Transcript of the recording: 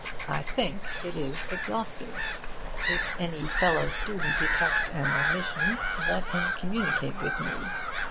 I think it is exhaustive. If any fellow student detect an omission, let him communicate with me.